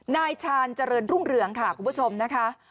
นายชาญเจริญรุ่งเรืองค่ะคุณผู้ชมนะคะ